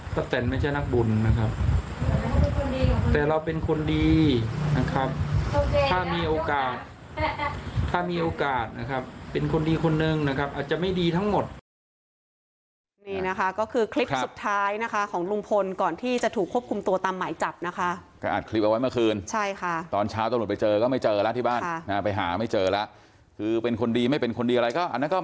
ประแทนไม่ใช่นักบุญนะครับแต่เราเป็นคนดีนะครับ